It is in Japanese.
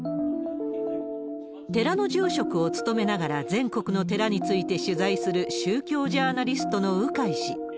寺の住職を務めながら、全国の寺について取材する、宗教ジャーナリストの鵜飼氏。